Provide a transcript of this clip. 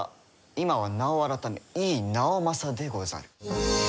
今は名を改め井伊直政でござる。